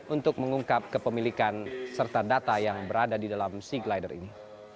untuk mengungkap kepemilikan serta data yang berada di dalam sea glider ini